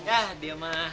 ah dia mah